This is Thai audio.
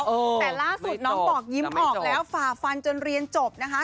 แต่ล่าสุดน้องบอกยิ้มออกแล้วฝ่าฟันจนเรียนจบนะคะ